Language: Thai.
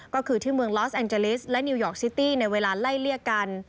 ก็คือที่เมืองลอสแอนเจลิสและนิวยอร์กซิตี้ในเวลาไล่เลี่ยกัน